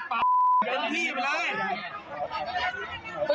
คนลำเหนือ